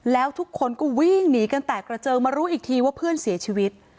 แล้วทุกคนก็วิ่งหนีกันแตกกระเจิงมารู้อีกทีว่าเพื่อนเสียชีวิต